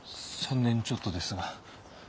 ３年ちょっとですが。